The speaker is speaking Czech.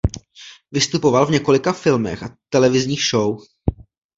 Vystupoval v několika filmech a televizních show.